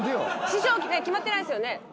師匠決まってないですよね？